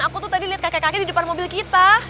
aku tuh tadi lihat kakek kakek di depan mobil kita